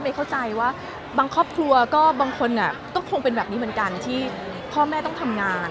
เข้าใจว่าบางครอบครัวก็บางคนก็คงเป็นแบบนี้เหมือนกันที่พ่อแม่ต้องทำงาน